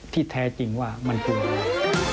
ที่แท้จริงว่ามันตรงร้าย